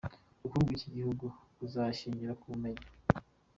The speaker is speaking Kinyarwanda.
Ubukungu bw’iki gihugu buzashingira ku bumenyi.